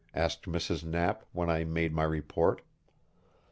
asked Mrs. Knapp, when I made my report.